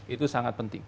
itu sangat penting